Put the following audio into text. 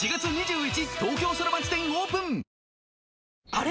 あれ？